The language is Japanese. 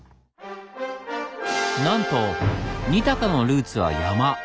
なんと「二鷹」のルーツは山。